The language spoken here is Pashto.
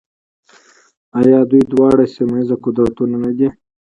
آیا دوی دواړه سیمه ییز قدرتونه نه دي؟